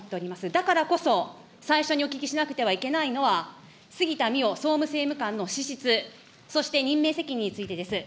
だからこそ最初にお聞きしなくてはいけないのは、杉田水脈総務政務官の資質、そして任命責任についてです。